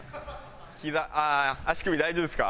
ひざ足首大丈夫ですか？